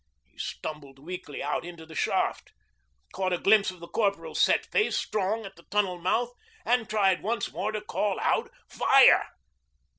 He stumbled weakly out into the shaft, caught a glimpse of the Corporal's set face staring at the tunnel mouth, and tried once more to call out 'Fire!'